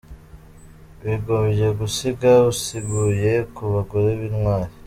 Wigombye gusiga usiguye ku bagore b’intwari.